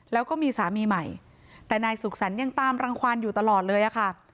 แล้วก็มีสามีใหม่แต่นายสุขสรรค์ยังตามรังความอยู่ตลอดเลยอะค่ะ